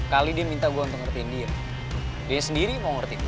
tiap kali dia minta gue untuk ngertiin diri dia sendiri mau ngerti gue gak